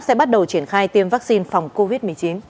sẽ bắt đầu triển khai tiêm vaccine phòng covid một mươi chín